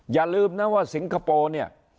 อย่าลืมนะว่าสิงคโปร์เนี่ย